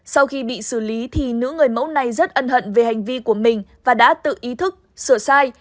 sau khi bị xử lý thì nữ người mẫu này rất ân hận về hành vi của mình và đã tự ý thức sửa sai